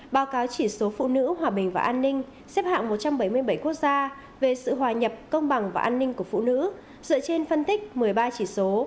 báo cáo chỉ số phụ nữ hòa bình và an ninh xếp hạng một trăm bảy mươi bảy quốc gia về sự hòa nhập công bằng và an ninh của phụ nữ dựa trên phân tích một mươi ba chỉ số